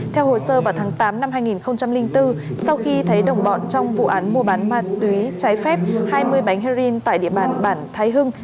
theo hồ sơ vào tháng tám năm hai nghìn bốn sau khi thấy đồng bọn trong vụ án mua bán ma túy trái phép hai mươi bánh heroin tại địa bàn bản thái hưng